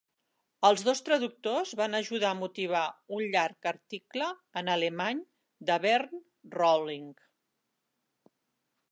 Els dos traductors van ajudar a motivar un llarg article en alemany de Bernd Rolling.